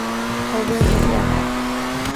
Cá bhfuil do pheann